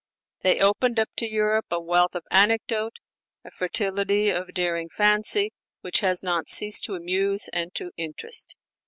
They opened up to Europe a wealth of anecdote, a fertility of daring fancy, which has not ceased to amuse and to interest.